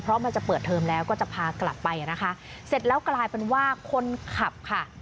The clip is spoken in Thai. เพราะมันจะเปิดเทอมแล้วก็จะพากลับไปนะคะเสร็จแล้วกลายเป็นว่าคนขับค่ะ